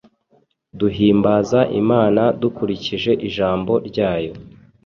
Duhimbaza Imana dukurikije Ijambo ryayo